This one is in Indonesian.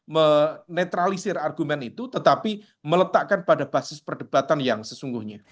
menetralisir argumen itu tetapi meletakkan pada basis perdebatan yang sesungguhnya